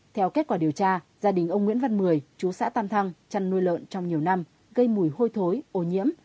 theo kết quả điều tra gia đình ông nguyễn văn mười chú xã tam thăng chăn nuôi lợn trong nhiều năm gây mùi hôi thối ô nhiễm